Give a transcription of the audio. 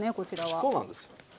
そうなんですよ。